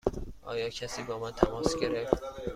آیا کسی با من تماس گرفت؟